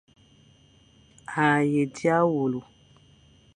A he dia wule.